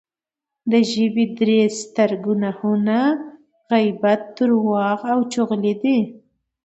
د ژبې درې ستر ګناهونه غیبت، درواغ او چغلي دی